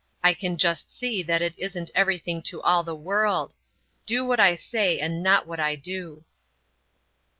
I can just see that it isn't everything to all the world. Do what I say, and not what I do."